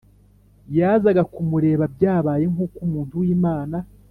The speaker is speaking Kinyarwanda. yazaga kumureba . Byabaye nk’ uko umuntu w’Imana